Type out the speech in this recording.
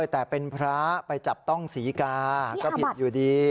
แต่เป็นพระไปจับต้องศรีกาก็ผิดอยู่ดี